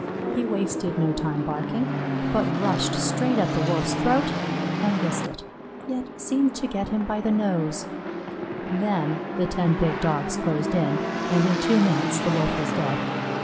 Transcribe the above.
He wasted no time barking, but rushed straight at the Wolf's throat and missed it, yet seemed to get him by the nose; then the ten big Dogs closed in, and in two minutes the Wolf was dead.